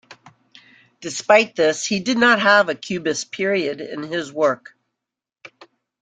Despite this, he did not have a Cubist period in his work.